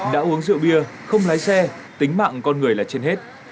đã uống rượu bia không lái xe tính mạng con người là trên hết